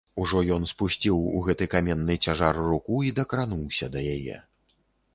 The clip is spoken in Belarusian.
Ужо ён спусціў у гэты каменны цяжар руку і дакрануўся да яе.